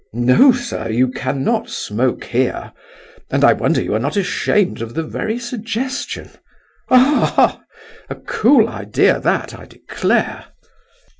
"No, sir, you cannot smoke here, and I wonder you are not ashamed of the very suggestion. Ha, ha! a cool idea that, I declare!"